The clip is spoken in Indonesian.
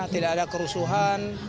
tidak ada kerusuhan